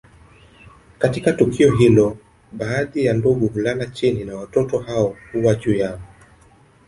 Katika tukio hilo baadhi ya ndugu hulala chini na watoto hao huwa juu yao